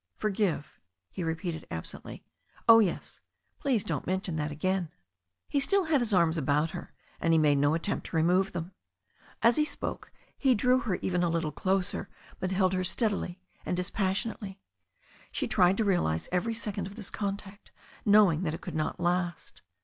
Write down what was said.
"Forgive " he repeated absently. "Oh, yes. Please don't mention that again." He still had his arms about her, and he made no attempt to remove them. As he spoke, he drew her even a little closer, but held her steadily and dispassionately. She tried to realize every second of this contact, knowing that it could not last.